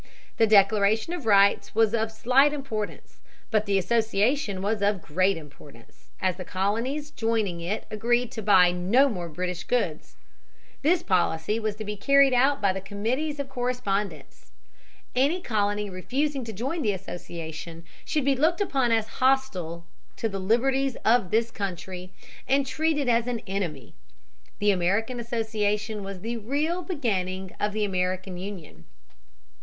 The Declaration of Rights was of slight importance. But the Association was of great importance, as the colonies joining it agreed to buy no more British goods. This policy was to be carried out by the Committees of Correspondence. Any colony refusing to join the Association should be looked upon as hostile "to the liberties of this country," and treated as an enemy. The American Association was the real beginning of the American Union.